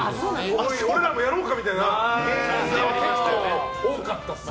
おい、俺らもやろうかみたいなのが結構多かったですよね。